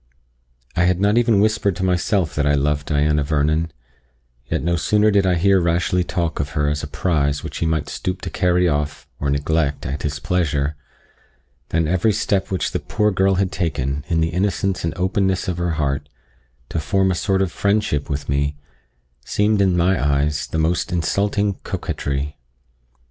I had not even whispered to myself that I loved Diana Vernon; yet no sooner did I hear Rashleigh talk of her as a prize which he might stoop to carry off, or neglect, at his pleasure, than every step which the poor girl had taken, in the innocence and openness of her heart, to form a sort of friendship with me, seemed in my eyes the most insulting coquetry.